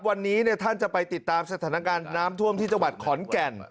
วันนี้ท่านจะไปติดตามสถานการณ์น้ำท่วมที่จังหวัดขอนแก่น